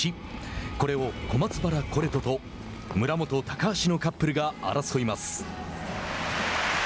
これを小松原・コレトと村元・高橋のカップルが争います。